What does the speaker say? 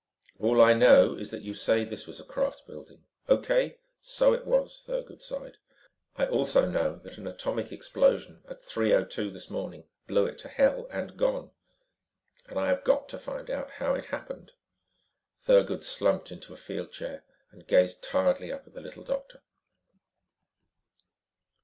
"All I know is that you say this was a crafts building. O.K. So it was," Thurgood sighed. "I also know that an atomic explosion at 3:02 this morning blew it to hell and gone. "And I've got to find out how it happened." Thurgood slumped into a field chair and gazed tiredly up at the little doctor.